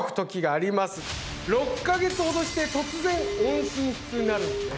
６か月ほどして突然音信不通になるんですね。